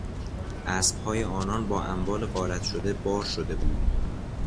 اسبهای آنان با اموال غارت شده بار شده بود.